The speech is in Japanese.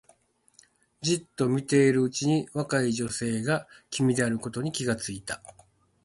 じっと見ているうちに若い女性が君であることに気がついた